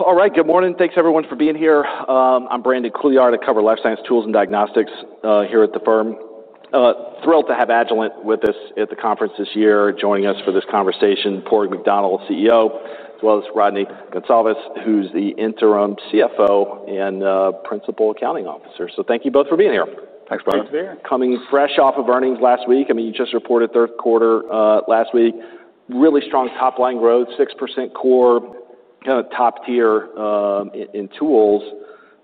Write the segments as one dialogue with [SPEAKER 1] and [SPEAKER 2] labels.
[SPEAKER 1] All right. Good morning. Thanks, everyone, for being here. I'm Brandon Couillard at TD Cowen Life Science Tools and Diagnostics, here at the firm. Thrilled to have Agilent with us at the conference this year, joining us for this conversation, Padraig McDonnell, CEO, as well as Rodney Gonsalves, who's the interim CFO and principal accounting officer. So thank you both for being here.
[SPEAKER 2] Thanks for having me.
[SPEAKER 1] Thanks for being here. Coming fresh off of earnings last week, I mean, you just reported third quarter last week. Really strong top-line growth, 6% core, kind of top-tier in tools.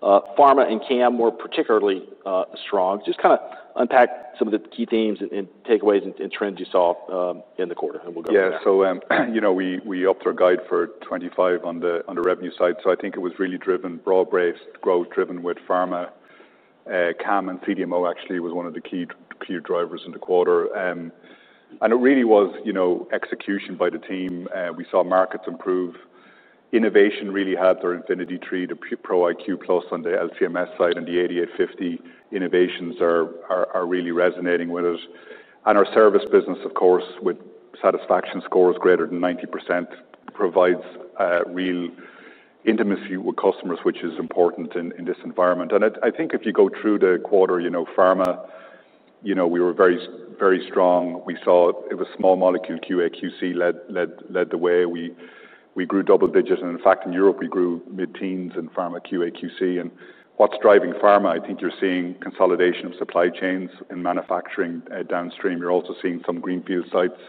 [SPEAKER 1] Pharma and CAM were particularly strong. Just kind of unpack some of the key themes and takeaways and trends you saw in the quarter, and we'll go from there.
[SPEAKER 2] Yeah. So, you know, we opted our guide for 25 on the revenue side. So I think it was really driven broad-based growth driven with Pharma. CAM and CDMO actually was one of the key drivers in the quarter. It really was, you know, execution by the team. We saw markets improve. Innovation really had their Infinity III to Pro iQ Plus on the LC/MS side and the 8850 innovations are really resonating with us. Our service business, of course, with satisfaction scores greater than 90% provides real intimacy with customers, which is important in this environment. I think if you go through the quarter, you know, Pharma, you know, we were very strong. We saw it was small molecule QA/QC led the way. We grew double digits. In fact, in Europe, we grew mid-teens in Pharma QA/QC. And what's driving Pharma? I think you're seeing consolidation of supply chains in manufacturing, downstream. You're also seeing some greenfield sites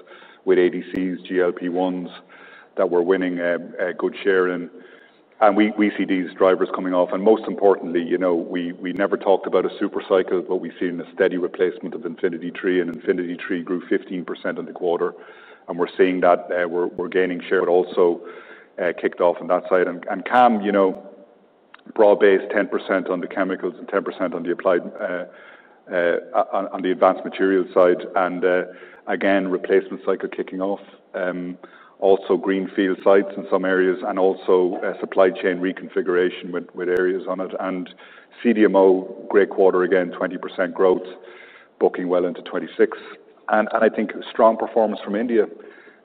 [SPEAKER 2] with ADCs, GLP-1s that were winning a good share in. And we see these drivers coming off. And most importantly, you know, we never talked about a supercycle, but we see a steady replacement of Infinity II, and Infinity II grew 15% in the quarter. And we're seeing that, we're gaining share, but also kicked off on that side. And Cam, you know, broad-based 10% on the chemicals and 10% on the applied, on the advanced materials side. And again, replacement cycle kicking off, also greenfield sites in some areas and also supply chain reconfiguration with areas on it. And CDMO, great quarter again, 20% growth, booking well into 2026. I think strong performance from India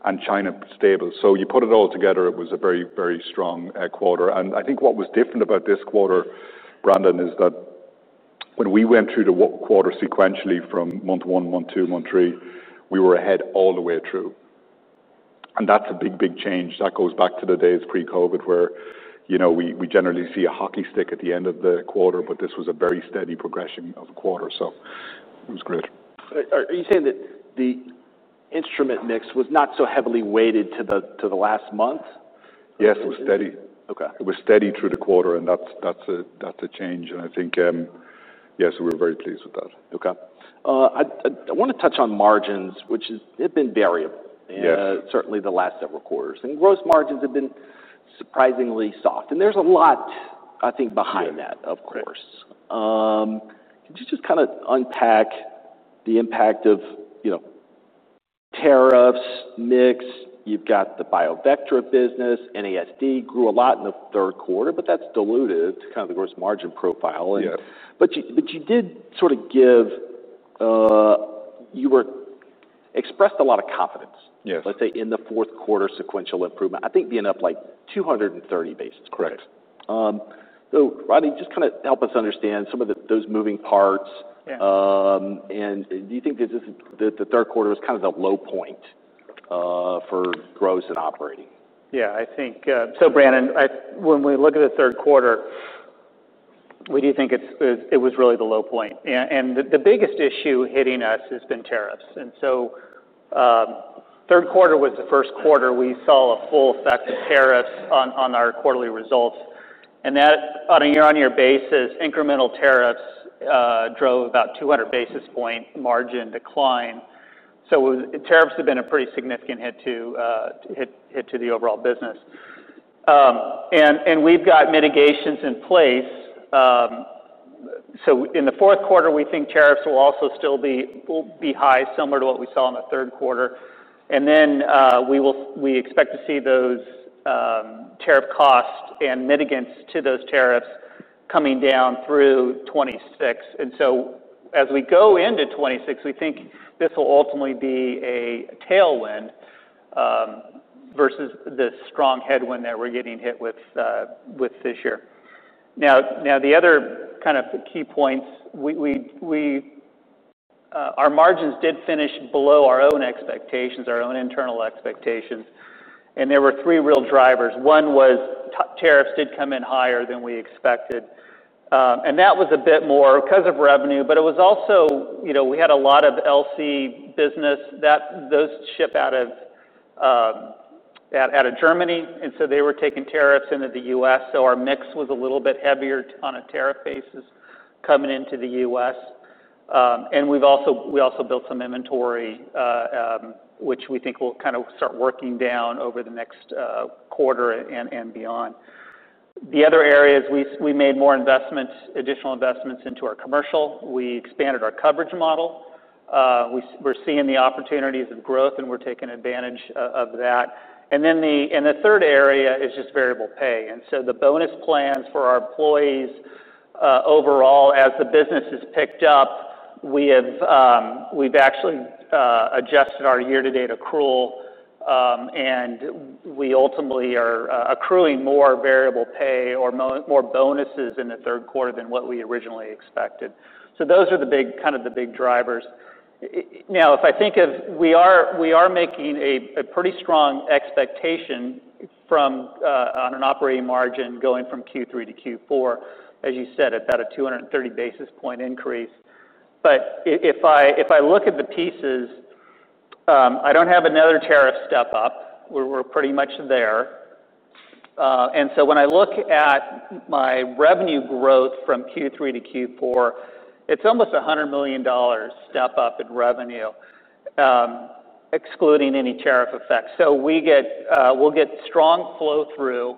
[SPEAKER 2] and China was stable. You put it all together. It was a very, very strong quarter. I think what was different about this quarter, Brandon, is that when we went through the quarter sequentially from month one, month two, month three, we were ahead all the way through. That's a big, big change. That goes back to the days pre-COVID where, you know, we generally see a hockey stick at the end of the quarter, but this was a very steady progression of the quarter. It was great.
[SPEAKER 1] Are you saying that the instrument mix was not so heavily weighted to the last month?
[SPEAKER 2] Yes, it was steady.
[SPEAKER 1] Okay.
[SPEAKER 2] It was steady through the quarter, and that's a change. And I think, yes, we were very pleased with that.
[SPEAKER 1] Okay. I wanna touch on margins, which is, they've been variable.
[SPEAKER 2] Yes.
[SPEAKER 1] Certainly the last several quarters. And gross margins have been surprisingly soft. And there's a lot, I think, behind that, of course.
[SPEAKER 2] Yes.
[SPEAKER 1] Could you just kind of unpack the impact of, you know, tariffs mix? You've got the BioVectra business. NASD grew a lot in the third quarter, but that's diluted to kind of the gross margin profile.
[SPEAKER 2] Yeah.
[SPEAKER 1] You did sort of express a lot of confidence.
[SPEAKER 2] Yes.
[SPEAKER 1] Let's say in the fourth quarter sequential improvement, I think, being up like 230 basis points.
[SPEAKER 2] Correct.
[SPEAKER 1] So, Rodney, just kind of help us understand some of those moving parts.
[SPEAKER 3] Yeah.
[SPEAKER 1] And do you think this is the third quarter was kind of the low point for growth and operating?
[SPEAKER 3] Yeah, I think so, Brandon. When we look at the third quarter, we do think it was really the low point. The biggest issue hitting us has been tariffs. Third quarter was the first quarter we saw a full effect of tariffs on our quarterly results. That on a year-on-year basis, incremental tariffs, drove about 200 basis point margin decline. Tariffs have been a pretty significant hit to the overall business. We've got mitigations in place. In the fourth quarter, we think tariffs will also still be high similar to what we saw in the third quarter. We expect to see those tariff costs and mitigants to those tariffs coming down through 2026. And so as we go into 2026, we think this will ultimately be a tailwind, versus the strong headwind that we're getting hit with this year. Now the other kind of key points, our margins did finish below our own expectations, our own internal expectations. And there were three real drivers. One was tariffs did come in higher than we expected. And that was a bit more because of revenue, but it was also, you know, we had a lot of LC business that those ship out of Germany. And so they were taking tariffs into the US. So our mix was a little bit heavier on a tariff basis coming into the US. And we've also built some inventory, which we think will kind of start working down over the next quarter and beyond. The other areas, we made more investments, additional investments into our commercial. We expanded our coverage model. We're seeing the opportunities of growth, and we're taking advantage of that. The third area is just variable pay. The bonus plans for our employees, overall, as the business has picked up, we've actually adjusted our year-to-date accrual. We ultimately are accruing more variable pay or more bonuses in the third quarter than what we originally expected. Those are the big, kind of the big drivers. Now, if I think of, we are making a pretty strong expectation on an operating margin going from Q3 to Q4, as you said, about a 230 basis point increase. If I look at the pieces, I don't have another tariff step up. We're pretty much there, and so when I look at my revenue growth from Q3 to Q4, it's almost $100 million step up in revenue, excluding any tariff effects. So we'll get strong flow-through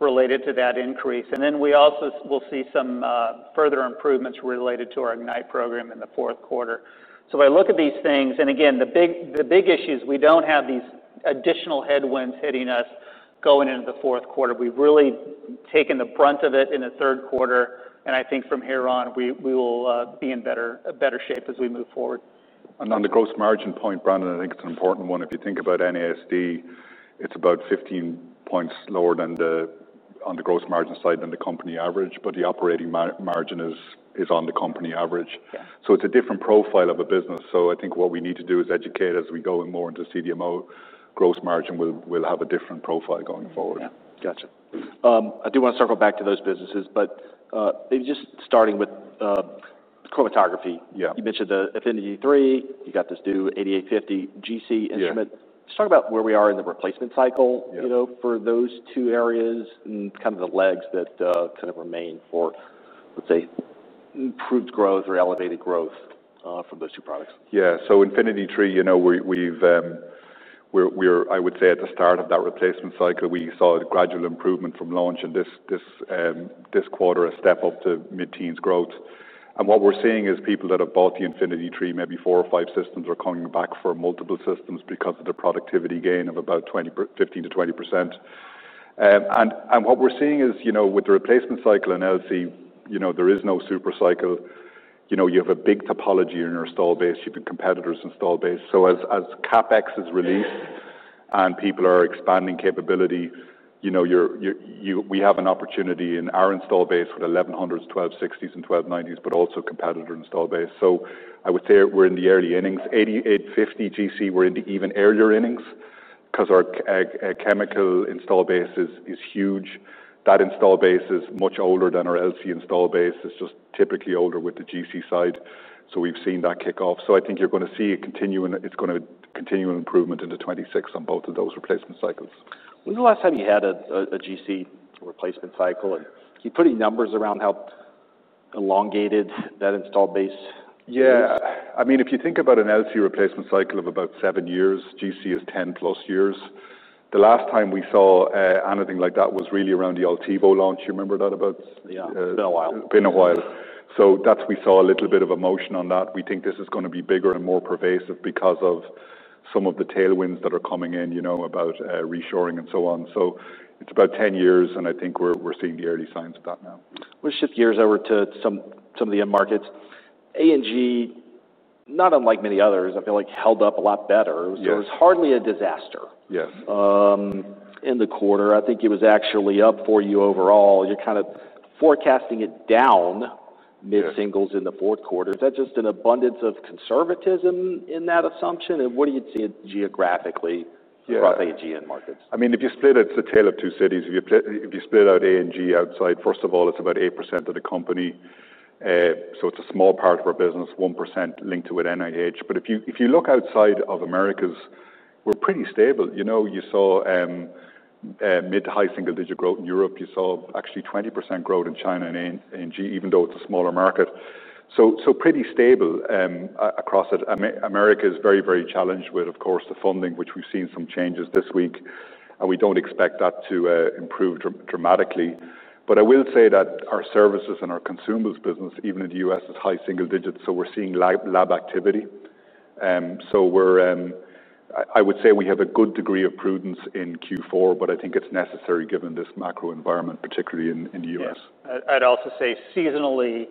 [SPEAKER 3] related to that increase. And then we also will see further improvements related to our Ignite program in the fourth quarter. So if I look at these things, and again, the big issue is we don't have these additional headwinds hitting us going into the fourth quarter. We've really taken the brunt of it in the third quarter. And I think from here on, we will be in better shape as we move forward.
[SPEAKER 2] On the gross margin point, Brandon, I think it's an important one. If you think about NASD, it's about 15 points lower than the, on the gross margin side than the company average. But the operating margin is on the company average.
[SPEAKER 3] Yeah.
[SPEAKER 1] It's a different profile of a business. I think what we need to do is educate as we go in more into CDMO gross margin. We'll have a different profile going forward.
[SPEAKER 3] Yeah.
[SPEAKER 1] Gotcha. I do wanna circle back to those businesses, but maybe just starting with chromatography.
[SPEAKER 2] Yeah.
[SPEAKER 1] You mentioned the Infinity II. You got this new 8850 GC instrument.
[SPEAKER 2] Yeah.
[SPEAKER 1] Just talk about where we are in the replacement cycle.
[SPEAKER 2] Yeah.
[SPEAKER 1] You know, for those two areas and kind of the legs that, kind of remain for, let's say, improved growth or elevated growth, from those two products.
[SPEAKER 2] Yeah. So Infinity II, you know, we're at the start of that replacement cycle. We saw a gradual improvement from launch in this quarter, a step up to mid-teens growth. And what we're seeing is people that have bought the Infinity II, maybe four or five systems, are coming back for multiple systems because of the productivity gain of about 20 percent, 15% to 20%. And what we're seeing is, you know, with the replacement cycle in LC, you know, there is no supercycle. You know, you have a big topology in your installed base. You've got competitors installed base. So as CapEx is released and people are expanding capability, you know, we have an opportunity in our installed base with 1100s, 1260s, and 1290s, but also competitor installed base. So I would say we're in the early innings. 8850 GC, we're in the even earlier innings 'cause our chemical install base is huge. That install base is much older than our LC install base. It's just typically older with the GC side. So we've seen that kick off. So I think you're gonna see a continuing improvement. It's gonna continue into 2026 on both of those replacement cycles.
[SPEAKER 1] When's the last time you had a GC replacement cycle? And can you put any numbers around how elongated that installed base is?
[SPEAKER 2] Yeah. I mean, if you think about an LC replacement cycle of about seven years, GC is 10 plus years. The last time we saw anything like that was really around the Intuvo launch. You remember that about?
[SPEAKER 1] Yeah. It's been a while.
[SPEAKER 2] It's been a while. So that's we saw a little bit of emotion on that. We think this is gonna be bigger and more pervasive because of some of the tailwinds that are coming in, you know, about, reshoring and so on. So it's about 10 years, and I think we're seeing the early signs of that now.
[SPEAKER 1] We'll shift gears over to some of the end markets. A&G, not unlike many others, I feel like held up a lot better.
[SPEAKER 2] Yes.
[SPEAKER 1] So it was hardly a disaster.
[SPEAKER 2] Yes.
[SPEAKER 1] In the quarter, I think it was actually up for you overall. You're kind of forecasting it down mid-singles in the fourth quarter. Is that just an abundance of conservatism in that assumption, and what are you seeing geographically across A&G and markets?
[SPEAKER 2] Yeah. I mean, if you split it, it's the tail of two cities. If you split out A&G outside, first of all, it's about 8% of the company. So it's a small part of our business, 1% linked to with NIH. But if you look outside of Americas, we're pretty stable. You know, you saw mid- to high single-digit growth in Europe. You saw actually 20% growth in China and A&G, even though it's a smaller market. So pretty stable across it. Americas is very, very challenged with, of course, the funding, which we've seen some changes this week. And we don't expect that to improve dramatically. But I will say that our services and our consumables business, even in the US, is high single digits. So we're seeing lab activity. We're, I would say, we have a good degree of prudence in Q4, but I think it's necessary given this macro environment, particularly in the U.S.
[SPEAKER 3] Yeah. I'd also say seasonally,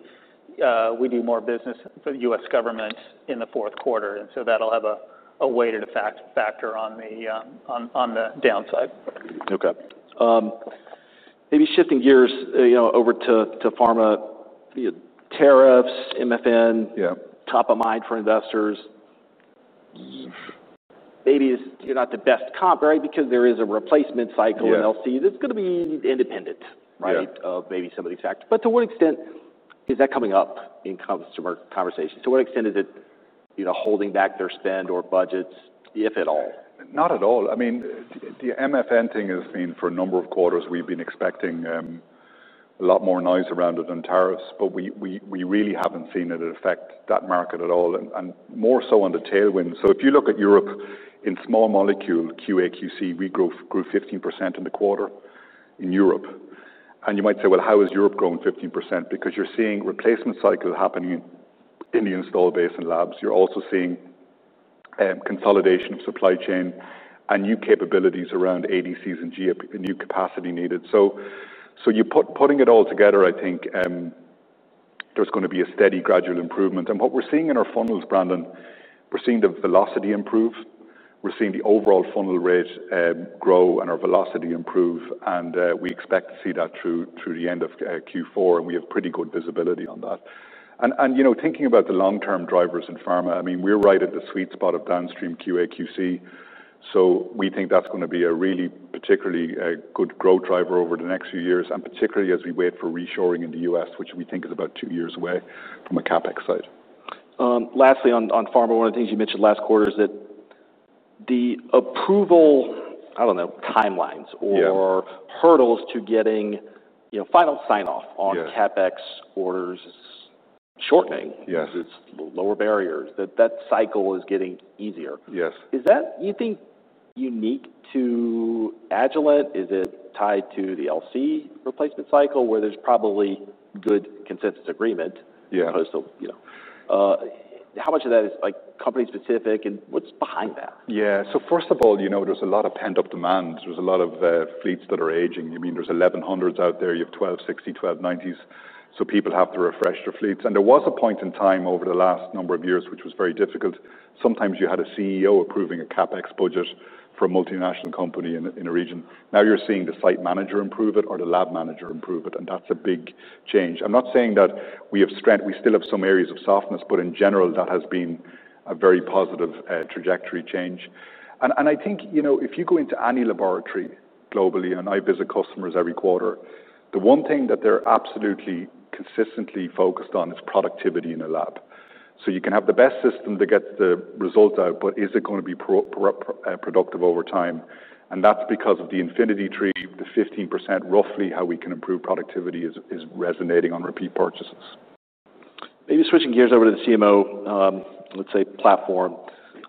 [SPEAKER 3] we do more business for the US government in the fourth quarter. And so that'll have a weighted effect factor on the downside.
[SPEAKER 2] Okay.
[SPEAKER 1] Maybe shifting gears, you know, over to pharma, you know, tariffs, MFN.
[SPEAKER 2] Yeah.
[SPEAKER 1] Top of mind for investors. Maybe it's, you're not the best comp, right? Because there is a replacement cycle in LC.
[SPEAKER 2] Yeah.
[SPEAKER 1] That's gonna be independent, right?
[SPEAKER 2] Yeah.
[SPEAKER 1] Of maybe some of these factors. But to what extent is that coming up in customer conversations? To what extent is it, you know, holding back their spend or budgets, if at all?
[SPEAKER 2] Not at all. I mean, the MFN thing has been for a number of quarters. We've been expecting a lot more noise around it than tariffs. But we really haven't seen it affect that market at all and more so on the tailwind. So if you look at Europe in small molecule, QA/QC, we grew 15% in the quarter in Europe. And you might say, well, how is Europe growing 15%? Because you're seeing replacement cycles happening in the install base and labs. You're also seeing consolidation of supply chain and new capabilities around ADCs and GLP-1s and new capacity needed. So you're putting it all together, I think, there's gonna be a steady gradual improvement. And what we're seeing in our funnels, Brandon, we're seeing the velocity improve. We're seeing the overall funnel rate grow and our velocity improve. We expect to see that through the end of Q4. We have pretty good visibility on that. You know, thinking about the long-term drivers in pharma, I mean, we're right at the sweet spot of downstream QAQC. So we think that's gonna be a really particularly good growth driver over the next few years, and particularly as we wait for reshoring in the US, which we think is about two years away from a CapEx side.
[SPEAKER 1] Lastly, on pharma, one of the things you mentioned last quarter is that the approval, I don't know, timelines or.
[SPEAKER 2] Yeah.
[SPEAKER 1] Hurdles to getting, you know, final sign-off on.
[SPEAKER 2] Yeah.
[SPEAKER 1] CapEx orders is shortening.
[SPEAKER 2] Yes.
[SPEAKER 1] It's lower barriers. That cycle is getting easier.
[SPEAKER 2] Yes.
[SPEAKER 1] Is that, you think, unique to Agilent? Is it tied to the LC replacement cycle where there's probably good consensus agreement?
[SPEAKER 2] Yeah.
[SPEAKER 1] As opposed to, you know, how much of that is like company-specific and what's behind that?
[SPEAKER 2] Yeah. So first of all, you know, there's a lot of pent-up demand. There's a lot of fleets that are aging. I mean, there's 1100s out there. You have 1260s, 1290s. So people have to refresh their fleets. And there was a point in time over the last number of years, which was very difficult. Sometimes you had a CEO approving a CapEx budget for a multinational company in a region. Now you're seeing the site manager approve it or the lab manager approve it. And that's a big change. I'm not saying that we have strength. We still have some areas of softness, but in general, that has been a very positive trajectory change. And I think, you know, if you go into any laboratory globally and I visit customers every quarter, the one thing that they're absolutely consistently focused on is productivity in a lab. So you can have the best system that gets the result out, but is it gonna be productive over time? And that's because of the Infinity II, the 15% roughly how we can improve productivity is resonating on repeat purchases.
[SPEAKER 1] Maybe switching gears over to the CMO, let's say, platform.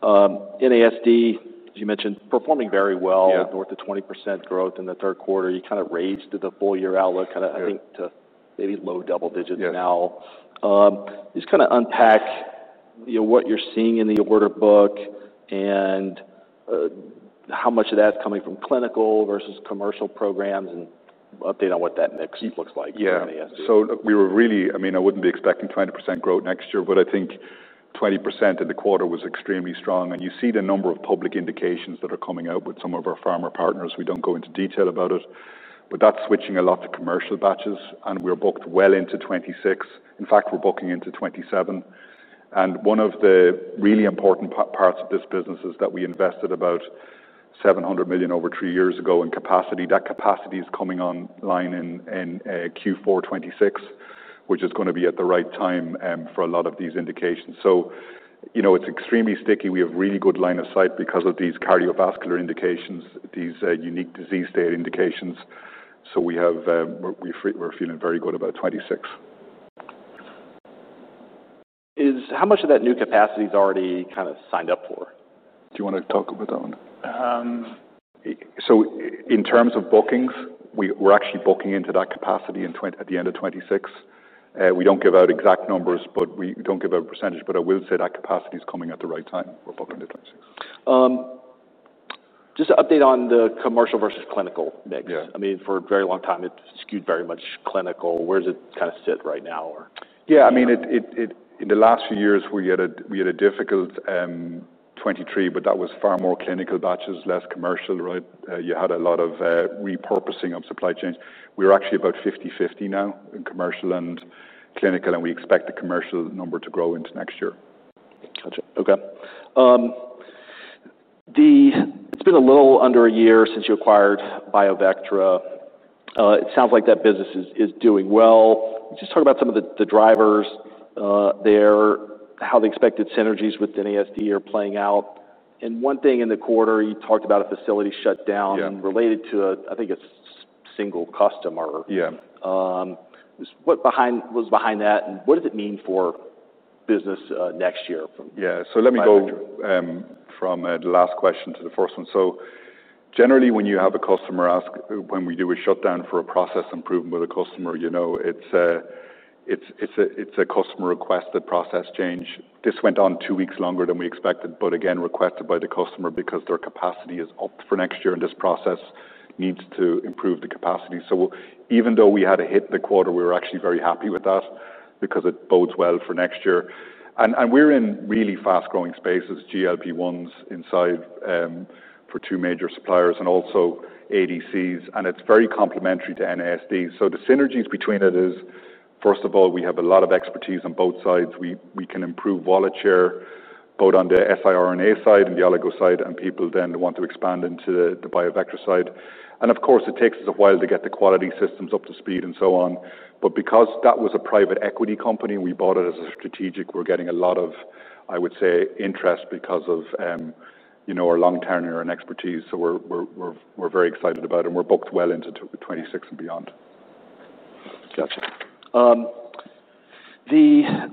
[SPEAKER 1] NASD, as you mentioned, performing very well.
[SPEAKER 2] Yeah.
[SPEAKER 1] Now to 20% growth in the third quarter. You kind of raised to the full year outlook, kind of, I think, to maybe low double digits now.
[SPEAKER 2] Yeah.
[SPEAKER 1] Just kind of unpack, you know, what you're seeing in the order book and how much of that's coming from clinical versus commercial programs and update on what that mix looks like for NASD?
[SPEAKER 2] Yeah. So we were really, I mean, I wouldn't be expecting 20% growth next year, but I think 20% in the quarter was extremely strong. And you see the number of public indications that are coming out with some of our pharma partners. We don't go into detail about it, but that's switching a lot to commercial batches. And we're booked well into 2026. In fact, we're booking into 2027. And one of the really important parts of this business is that we invested about $700 million over three years ago in capacity. That capacity is coming online in Q4 2026, which is gonna be at the right time, for a lot of these indications. So, you know, it's extremely sticky. We have really good line of sight because of these cardiovascular indications, these unique disease state indications. So we have, we're feeling very good about 2026.
[SPEAKER 1] Is how much of that new capacity is already kind of signed up for?
[SPEAKER 2] Do you wanna talk about that one?
[SPEAKER 1] So in terms of bookings, we're actually booking into that capacity in 2020 at the end of 2026. We don't give out exact numbers, but we don't give out a percentage. But I will say that capacity is coming at the right time. We're booking to 2026. Just an update on the commercial versus clinical mix.
[SPEAKER 2] Yeah.
[SPEAKER 1] I mean, for a very long time, it skewed very much clinical. Where does it kind of sit right now, or?
[SPEAKER 2] Yeah. I mean, it in the last few years, we had a difficult 2023, but that was far more clinical batches, less commercial, right? You had a lot of repurposing of supply chains. We're actually about 50/50 now in commercial and clinical, and we expect the commercial number to grow into next year.
[SPEAKER 1] Gotcha. Okay. It's been a little under a year since you acquired BioVectra. It sounds like that business is, is doing well. Just talk about some of the, the drivers, there, how the expected synergies with NASD are playing out. And one thing in the quarter, you talked about a facility shutdown.
[SPEAKER 2] Yeah.
[SPEAKER 1] Related to, I think, a single customer.
[SPEAKER 2] Yeah.
[SPEAKER 1] What was behind that, and what does it mean for business next year from that factor?
[SPEAKER 2] Yeah. So let me go from the last question to the first one. So generally, when you have a customer ask, when we do a shutdown for a process improvement with a customer, you know, it's a customer requested process change. This went on two weeks longer than we expected, but again, requested by the customer because their capacity is up for next year, and this process needs to improve the capacity. So even though we had a hit in the quarter, we were actually very happy with that because it bodes well for next year. And we're in really fast-growing spaces, GLP-1s inside, for two major suppliers and also ADCs. And it's very complementary to NASD. So the synergies between it is, first of all, we have a lot of expertise on both sides. We can improve volume both on the siRNA side and the oligo side, and people then want to expand into the BioVectra side. And of course, it takes us a while to get the quality systems up to speed and so on. But because that was a private equity company, we bought it as a strategic. We're getting a lot of, I would say, interest because of, you know, our long-term and our expertise. So we're very excited about it, and we're booked well into 2026 and beyond.
[SPEAKER 1] Gotcha. The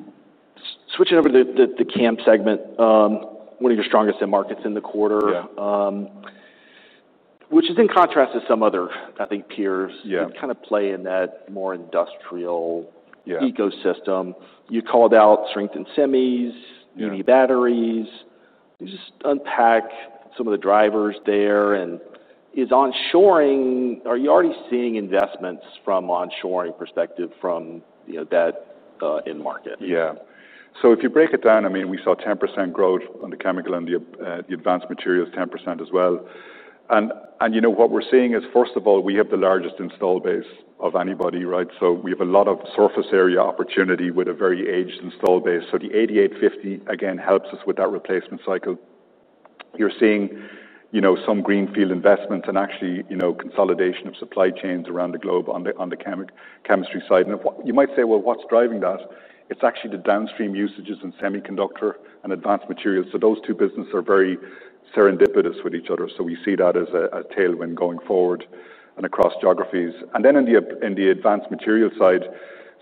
[SPEAKER 1] switching over to the CAM segment, one of your strongest end markets in the quarter.
[SPEAKER 2] Yeah.
[SPEAKER 1] which is in contrast to some other, I think, peers.
[SPEAKER 2] Yeah.
[SPEAKER 1] Kind of play in that more industrial.
[SPEAKER 2] Yeah.
[SPEAKER 1] Ecosystem. You called out shrink and semis.
[SPEAKER 2] Yeah.
[SPEAKER 1] EV batteries. You just unpack some of the drivers there, and onshoring, are you already seeing investments from onshoring perspective from, you know, that end market?
[SPEAKER 2] Yeah. So if you break it down, I mean, we saw 10% growth on the chemical and the advanced materials, 10% as well. And you know, what we're seeing is, first of all, we have the largest install base of anybody, right? So we have a lot of surface area opportunity with a very aged install base. So the 8850, again, helps us with that replacement cycle. You're seeing, you know, some greenfield investments and actually, you know, consolidation of supply chains around the globe on the chemistry side. And you might say, well, what's driving that? It's actually the downstream usages in semiconductor and advanced materials. So those two businesses are very serendipitous with each other. So we see that as a tailwind going forward and across geographies. Then in the advanced material side,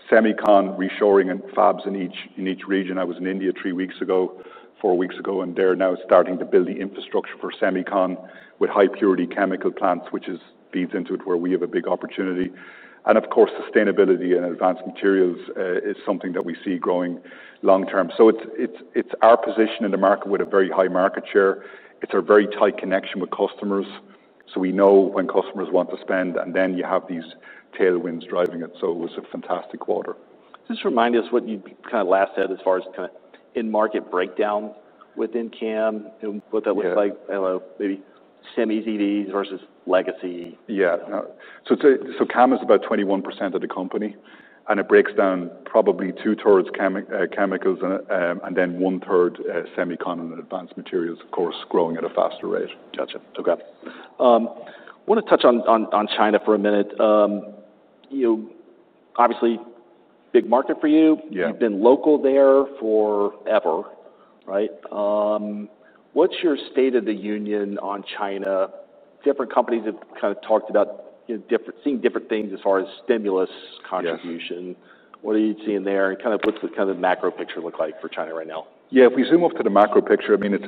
[SPEAKER 2] semiconductor, reshoring and fabs in each region. I was in India three weeks ago, four weeks ago, and they're now starting to build the infrastructure for semiconductor with high-purity chemical plants, which leads into it where we have a big opportunity. Of course, sustainability and advanced materials is something that we see growing long-term. It's our position in the market with a very high market share. It's our very tight connection with customers. We know when customers want to spend, and then you have these tailwinds driving it. It was a fantastic quarter.
[SPEAKER 1] Just remind us what you kind of last said as far as kind of end market breakdown within CAM and what that looks like.
[SPEAKER 2] Yeah.
[SPEAKER 1] I don't know, maybe semis EVs versus legacy.
[SPEAKER 2] Yeah. So CAM is about 21% of the company. And it breaks down probably two-thirds chemicals and then one-third semicon and advanced materials, of course, growing at a faster rate.
[SPEAKER 1] Gotcha. Okay. Wanna touch on China for a minute. You know, obviously, big market for you.
[SPEAKER 2] Yeah.
[SPEAKER 1] You've been local there forever, right? What's your state of the union on China? Different companies have kind of talked about, you know, different seeing different things as far as stimulus contribution.
[SPEAKER 2] Yeah.
[SPEAKER 1] What are you seeing there? And kind of what's the kind of macro picture look like for China right now?
[SPEAKER 2] Yeah. If we zoom off to the macro picture, I mean, it's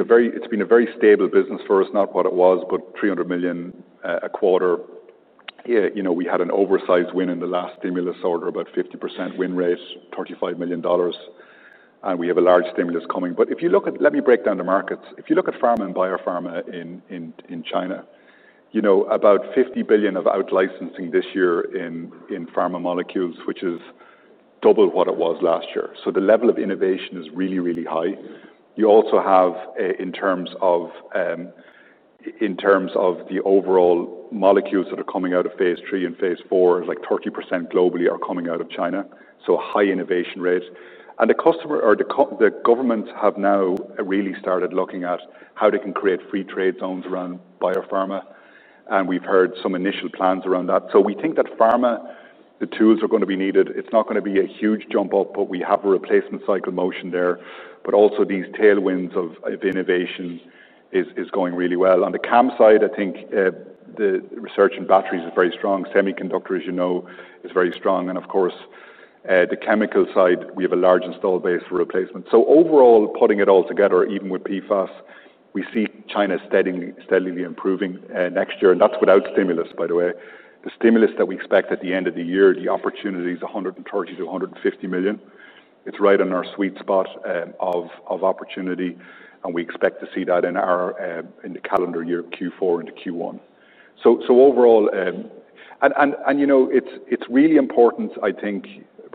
[SPEAKER 2] been a very stable business for us, not what it was, but $300 million a quarter. You know, we had an oversized win in the last stimulus order, about 50% win rate, $35 million. And we have a large stimulus coming. But if you look at, let me break down the markets. If you look at pharma and biopharma in China, you know, about $50 billion of out-licensing this year in pharma molecules, which is double what it was last year. So the level of innovation is really, really high. You also have, in terms of the overall molecules that are coming out of phase three and phase four, like 30% globally are coming out of China. So high innovation rate. The customers or the governments have now really started looking at how they can create free trade zones around biopharma. And we've heard some initial plans around that. So we think that pharma, the tools are gonna be needed. It's not gonna be a huge jump-off, but we have a replacement cycle momentum there. But also these tailwinds of innovation is going really well. On the CAM side, I think, the research in batteries is very strong. Semiconductor, as you know, is very strong. And of course, the chemical side, we have a large install base for replacement. So overall, putting it all together, even with PFAS, we see China steadily improving next year. And that's without stimulus, by the way. The stimulus that we expect at the end of the year, the opportunity is $130 million-$150 million. It's right on our sweet spot of opportunity. And we expect to see that in the calendar year, Q4 into Q1. So overall, and you know, it's really important, I think,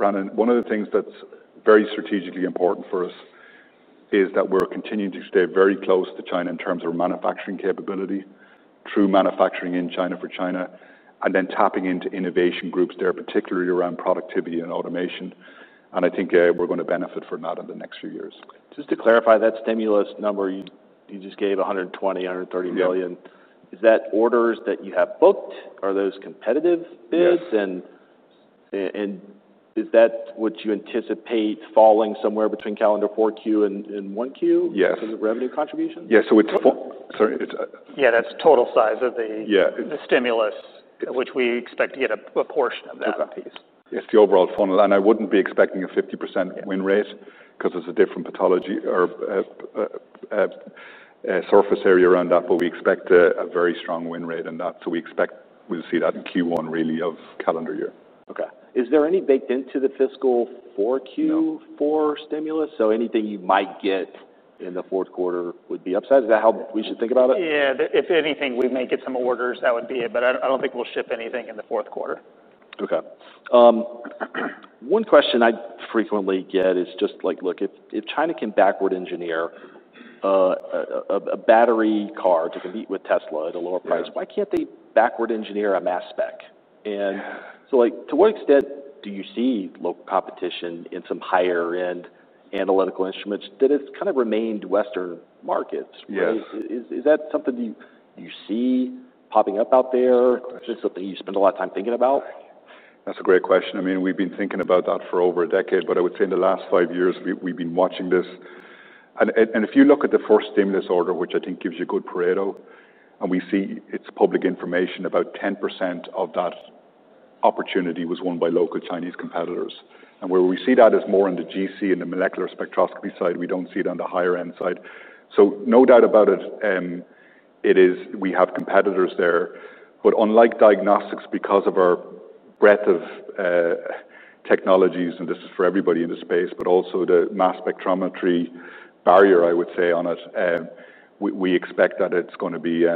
[SPEAKER 2] Brandon, one of the things that's very strategically important for us is that we're continuing to stay very close to China in terms of manufacturing capability, true manufacturing in China for China, and then tapping into innovation groups there, particularly around productivity and automation. And I think, we're gonna benefit from that in the next few years.
[SPEAKER 1] Just to clarify that stimulus number, you just gave $120 million-$130 million.
[SPEAKER 2] Yeah.
[SPEAKER 1] Is that orders that you have booked? Are those competitive bids?
[SPEAKER 2] Yes.
[SPEAKER 1] Is that what you anticipate falling somewhere between calendar 4Q and 1Q?
[SPEAKER 2] Yeah.
[SPEAKER 1] For the revenue contribution?
[SPEAKER 2] Yeah. So it's, sorry, it's,
[SPEAKER 1] Yeah. That's total size of the.
[SPEAKER 2] Yeah.
[SPEAKER 1] The stimulus, which we expect to get a portion of that piece.
[SPEAKER 2] It's the overall funnel. And I wouldn't be expecting a 50% win rate 'cause it's a different pathology or surface area around that, but we expect a very strong win rate in that. So we expect we'll see that in Q1, really, of calendar year.
[SPEAKER 1] Okay. Is there any baked into the fiscal 4Q?
[SPEAKER 2] No.
[SPEAKER 1] Q4 stimulus? So anything you might get in the fourth quarter would be upsized. Is that how we should think about it?
[SPEAKER 3] Yeah. If anything, we may get some orders. That would be it. But I don't think we'll ship anything in the fourth quarter.
[SPEAKER 1] Okay. One question I frequently get is just like, look, if China can backward engineer a battery car to compete with Tesla at a lower price, why can't they backward engineer a mass spec? And so, like, to what extent do you see local competition in some higher-end analytical instruments that have kind of remained Western markets?
[SPEAKER 3] Yeah.
[SPEAKER 1] Is that something you see popping up out there? Is it something you spend a lot of time thinking about?
[SPEAKER 2] That's a great question. I mean, we've been thinking about that for over a decade, but I would say in the last five years, we've been watching this and if you look at the first stimulus order, which I think gives you a good Pareto, and we see it's public information, about 10% of that opportunity was won by local Chinese competitors. And where we see that is more on the GC and the molecular spectroscopy side. We don't see it on the higher-end side. So no doubt about it, it is we have competitors there. But unlike diagnostics, because of our breadth of technologies, and this is for everybody in the space, but also the mass spectrometry barrier, I would say, we expect that it's gonna be,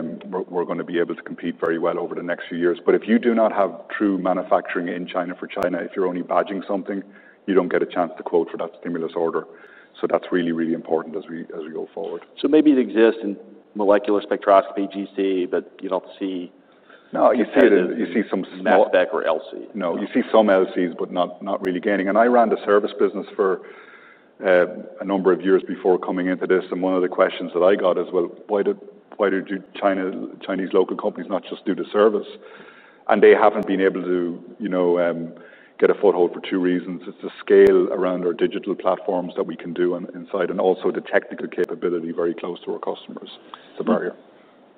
[SPEAKER 2] we're gonna be able to compete very well over the next few years. But if you do not have true manufacturing in China for China, if you're only badging something, you don't get a chance to quote for that stimulus order. So that's really, really important as we, as we go forward.
[SPEAKER 1] So maybe it exists in molecular spectroscopy GC, but you don't see.
[SPEAKER 2] No, you see it in.
[SPEAKER 1] You see some small.
[SPEAKER 2] Mass spec or LC. No. You see some LCs, but not really gaining. And I ran the service business for a number of years before coming into this. And one of the questions that I got is, well, why did Chinese local companies not just do the service? And they haven't been able to, you know, get a foothold for two reasons. It's the scale around our digital platforms that we can do inside and also the technical capability very close to our customers. It's a barrier.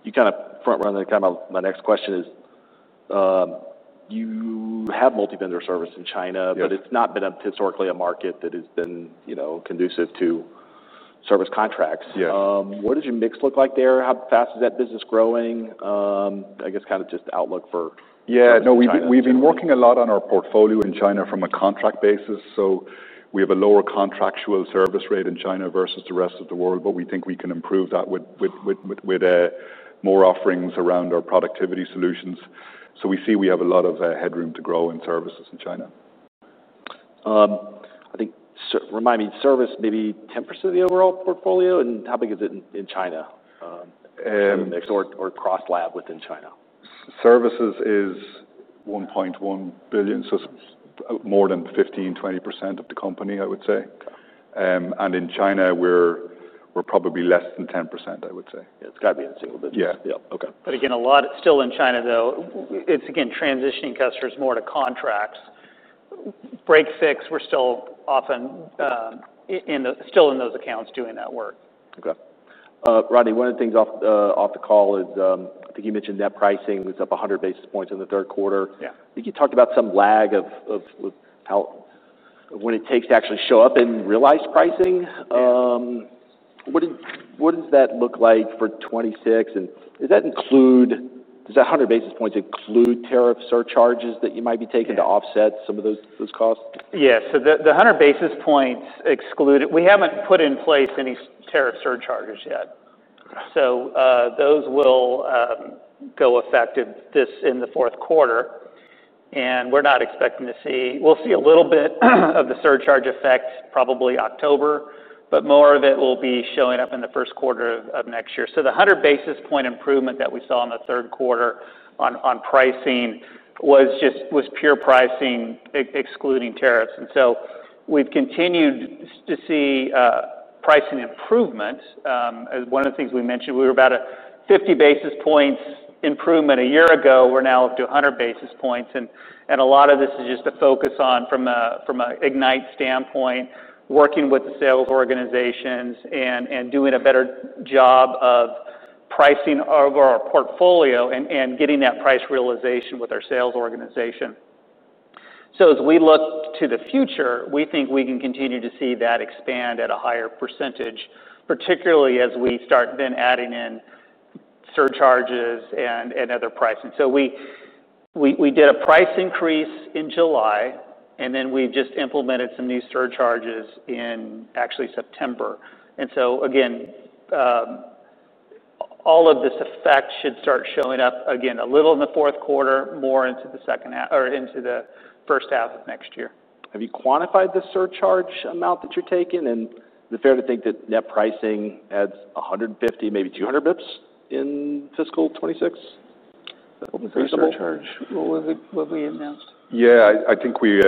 [SPEAKER 1] You kind of front-run there. Kind of my next question is, you have multi-vendor service in China.
[SPEAKER 2] Yes.
[SPEAKER 1] But it's not been historically a market that has been, you know, conducive to service contracts.
[SPEAKER 2] Yeah.
[SPEAKER 1] What does your mix look like there? How fast is that business growing? I guess kind of just outlook for.
[SPEAKER 2] Yeah. No, we've been working a lot on our portfolio in China from a contract basis. So we have a lower contractual service rate in China versus the rest of the world, but we think we can improve that with more offerings around our productivity solutions. So we see we have a lot of headroom to grow in services in China.
[SPEAKER 1] I think, remind me, service, maybe 10% of the overall portfolio. And how big is it in China, or cross-lab within China?
[SPEAKER 2] Services is $1.1 billion. So it's more than 15%-20% of the company, I would say. And in China, we're probably less than 10%, I would say.
[SPEAKER 1] Yeah. It's gotta be in single business.
[SPEAKER 2] Yeah.
[SPEAKER 1] Yep. Okay.
[SPEAKER 3] But again, a lot still in China, though. It's again transitioning customers more to contracts. Break fix, we're still often in those accounts doing that work.
[SPEAKER 1] Okay. Rodney, one of the things off the call is, I think you mentioned that pricing was up 100 basis points in the third quarter.
[SPEAKER 3] Yeah.
[SPEAKER 1] I think you talked about some lag of how when it takes to actually show up in realized pricing.
[SPEAKER 3] Yeah.
[SPEAKER 1] What does that look like for 2026? And does that 100 basis points include tariff surcharges that you might be taking to offset some of those costs?
[SPEAKER 3] Yeah. So the 100 basis points excluded we haven't put in place any tariff surcharges yet.
[SPEAKER 1] Okay.
[SPEAKER 3] Those will go effective in the fourth quarter. We're not expecting to see. We'll see a little bit of the surcharge effect probably in October, but more of it will be showing up in the first quarter of next year. The 100 basis points improvement that we saw in the third quarter on pricing was just pure pricing excluding tariffs. We've continued to see pricing improvement. As one of the things we mentioned, we were about a 50 basis points improvement a year ago. We're now up to 100 basis points. A lot of this is just a focus from an Ignite standpoint, working with the sales organizations and doing a better job of pricing over our portfolio and getting that price realization with our sales organization. So as we look to the future, we think we can continue to see that expand at a higher percentage, particularly as we start then adding in surcharges and other pricing. So we did a price increase in July, and then we've just implemented some new surcharges in actually September. And so again, all of this effect should start showing up again a little in the fourth quarter, more into the second half or into the first half of next year.
[SPEAKER 1] Have you quantified the surcharge amount that you're taking? And is it fair to think that net pricing adds 150, maybe 200 basis points in fiscal 2026? Reasonable?
[SPEAKER 3] What was the surcharge? What was it? What were you announcing?
[SPEAKER 2] Yeah. I, I think we,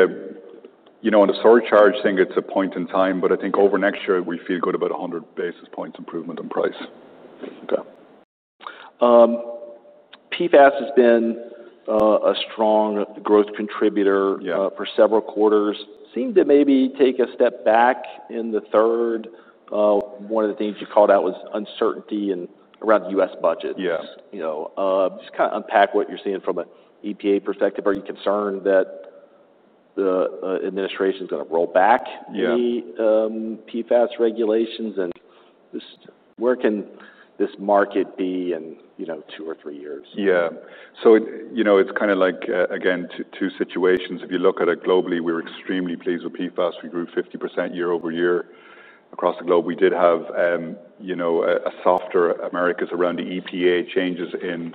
[SPEAKER 2] you know, on the surcharge thing, it's a point in time. But I think over next year, we feel good about 100 basis points improvement in price.
[SPEAKER 1] Okay. PFAS has been a strong growth contributor.
[SPEAKER 2] Yeah.
[SPEAKER 1] For several quarters. Seems to maybe take a step back in the third. One of the things you called out was uncertainty around the U.S. budget.
[SPEAKER 2] Yeah.
[SPEAKER 1] You know, just kind of unpack what you're seeing from an EPA perspective. Are you concerned that the administration's gonna roll back the.
[SPEAKER 2] Yeah.
[SPEAKER 1] PFAS regulations? And just where can this market be in, you know, two or three years?
[SPEAKER 2] Yeah. So it, you know, it's kind of like, again, two situations. If you look at it globally, we were extremely pleased with PFAS. We grew 50% year over year across the globe. We did have, you know, a softer Americas around the EPA changes in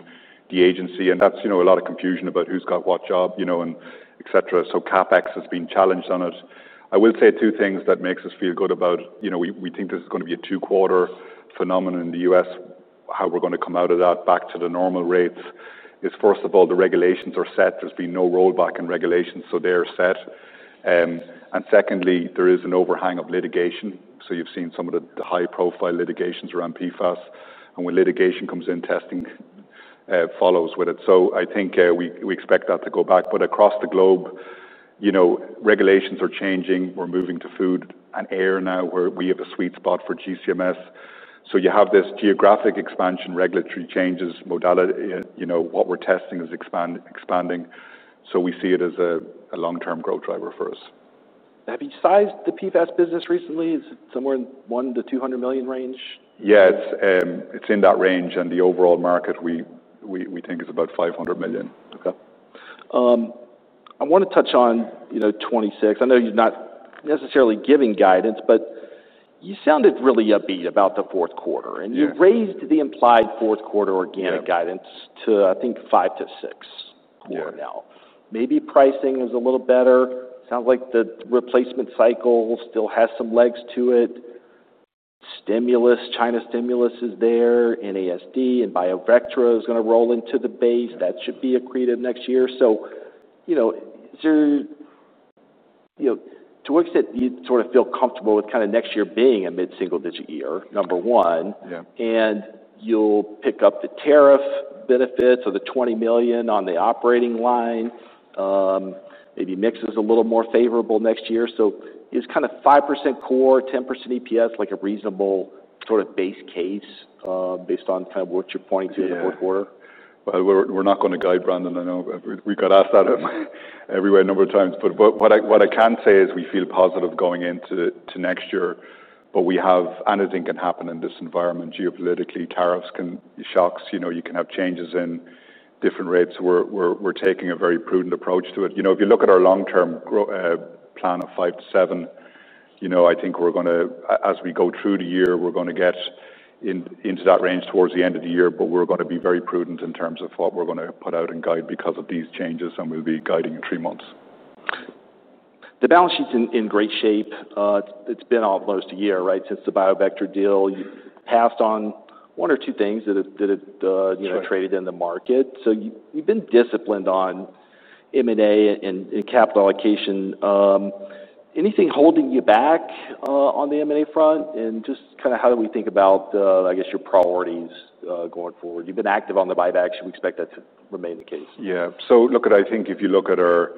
[SPEAKER 2] the agency. And that's, you know, a lot of confusion about who's got what job, you know, and etc. So CapEx has been challenged on it. I will say two things that makes us feel good about, you know, we think this is gonna be a two-quarter phenomenon in the U.S. How we're gonna come out of that back to the normal rates is, first of all, the regulations are set. There's been no rollback in regulations, so they're set, and secondly, there is an overhang of litigation. So you've seen some of the high-profile litigations around PFAS. When litigation comes in, testing follows with it. I think we expect that to go back. Across the globe, you know, regulations are changing. We're moving to food and air now where we have a sweet spot for GC/MS. You have this geographic expansion, regulatory changes, modality, you know, what we're testing is expanding. We see it as a long-term growth driver for us.
[SPEAKER 1] Have you sized the PFAS business recently? Is it somewhere in $1-$200 million range?
[SPEAKER 2] Yeah. It's in that range, and the overall market, we think, is about $500 million.
[SPEAKER 1] Okay. I wanna touch on, you know, 2026. I know you're not necessarily giving guidance, but you sounded really upbeat about the fourth quarter.
[SPEAKER 2] Yeah.
[SPEAKER 1] You raised the implied fourth quarter organic guidance to, I think, 5%-6% now.
[SPEAKER 2] Yeah.
[SPEAKER 1] Maybe pricing is a little better. Sounds like the replacement cycle still has some legs to it. Stimulus, China stimulus is there. NASD and BioVectra is gonna roll into the base. That should be accretive next year. So, you know, is there, you know, to what extent do you sort of feel comfortable with kind of next year being a mid-single-digit year, number one?
[SPEAKER 2] Yeah.
[SPEAKER 1] And you'll pick up the tariff benefits or the $20 million on the operating line, maybe mixes a little more favorable next year. So is kind of 5% core, 10% EPS like a reasonable sort of base case, based on kind of what you're pointing to in the fourth quarter?
[SPEAKER 2] Yeah. We're not gonna guide, Brandon. I know we got asked that everywhere a number of times. But what I can say is we feel positive going into next year. But anything can happen in this environment. Geopolitically, tariff shocks, you know, you can have changes in different rates. We're taking a very prudent approach to it. You know, if you look at our long-term growth plan of five to seven, you know, I think we're gonna, as we go through the year, we're gonna get into that range towards the end of the year. But we're gonna be very prudent in terms of what we're gonna put out and guide because of these changes. And we'll be guiding in three months.
[SPEAKER 1] The balance sheet's in great shape. It's been almost a year, right, since the BioVectra deal. You passed on one or two things that it, you know, traded in the market. So you've been disciplined on M&A and capital allocation. Anything holding you back, on the M&A front? And just kind of how do we think about, I guess, your priorities, going forward? You've been active on the buyback. Should we expect that to remain the case?
[SPEAKER 2] Yeah. So look at, I think if you look at our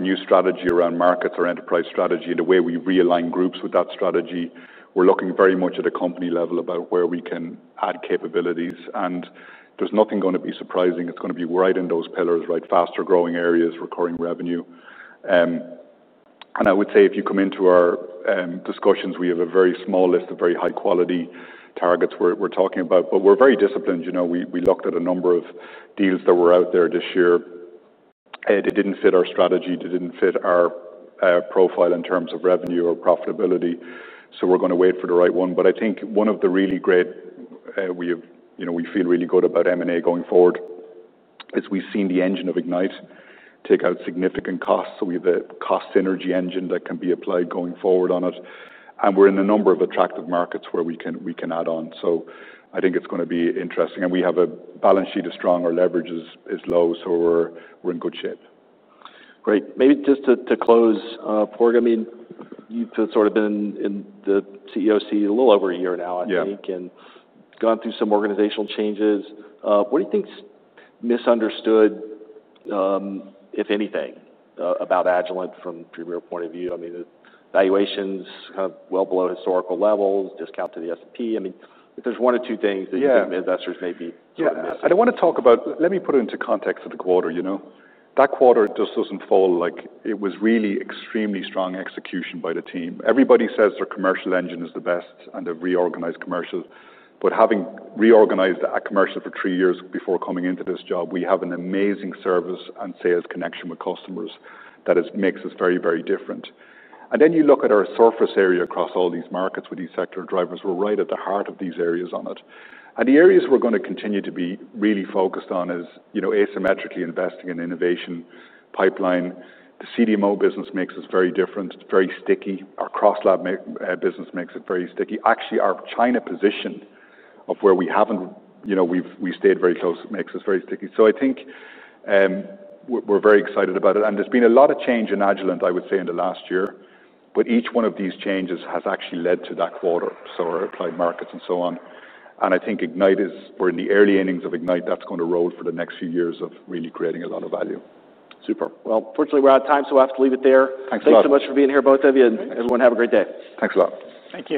[SPEAKER 2] new strategy around markets, our enterprise strategy, the way we realign groups with that strategy, we're looking very much at a company level about where we can add capabilities. There's nothing gonna be surprising. It's gonna be right in those pillars, right? Faster-growing areas, recurring revenue, and I would say if you come into our discussions, we have a very small list of very high-quality targets we're talking about. But we're very disciplined. You know, we looked at a number of deals that were out there this year. They didn't fit our strategy. They didn't fit our profile in terms of revenue or profitability. So we're gonna wait for the right one. But I think one of the really great, we have, you know, we feel really good about M&A going forward is we've seen the engine of Ignite take out significant costs. So we have a cost synergy engine that can be applied going forward on it. And we're in a number of attractive markets where we can, we can add on. So I think it's gonna be interesting. And we have a balance sheet as strong. Our leverage is, is low. So we're, we're in good shape.
[SPEAKER 1] Great. Maybe just to close, Padraig, I mean, you've sort of been in the CEO a little over a year now, I think.
[SPEAKER 2] Yeah.
[SPEAKER 1] And gone through some organizational changes. What do you think's misunderstood, if anything, about Agilent from a premier point of view? I mean, the valuations kind of well below historical levels, discount to the S&P. I mean, if there's one or two things that you think investors may be sort of missing.
[SPEAKER 2] Yeah. I don't wanna talk about, let me put it into context of the quarter. You know, that quarter just doesn't feel like it was really extremely strong execution by the team. Everybody says their commercial engine is the best and they've reorganized commercial. But having reorganized that commercial for three years before coming into this job, we have an amazing service and sales connection with customers that makes us very, very different. And then you look at our surface area across all these markets with these sector drivers. We're right at the heart of these areas on it. And the areas we're gonna continue to be really focused on is, you know, asymmetrically investing in innovation pipeline. The CDMO business makes us very different, very sticky. Our cross-lab business makes it very sticky. Actually, our China position of where we haven't, you know, we've stayed very close makes us very sticky. So I think we're very excited about it, and there's been a lot of change in Agilent, I would say, in the last year, but each one of these changes has actually led to that quarter, so our applied markets and so on, and I think Ignite. We're in the early innings of Ignite. That's gonna roll for the next few years of really creating a lot of value.
[SPEAKER 1] Super. Well, fortunately, we're out of time, so we'll have to leave it there.
[SPEAKER 2] Thanks a lot.
[SPEAKER 1] Thanks so much for being here, both of you. And everyone, have a great day.
[SPEAKER 2] Thanks a lot.
[SPEAKER 3] Thank you.